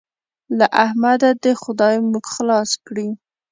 له احمده دې خدای موږ خلاص کړي.